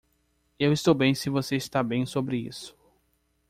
Eu estou bem se você está bem sobre isso.